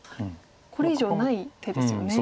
これ以上ない手ですよね。